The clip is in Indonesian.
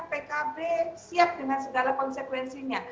pkb siap dengan segala konsekuensinya